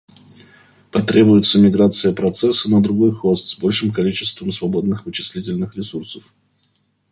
Потребуется миграция процесса на другой хост с большим количеством свободных вычислительных ресурсов